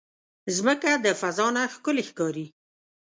مځکه د فضا نه ښکلی ښکاري.